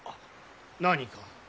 何か？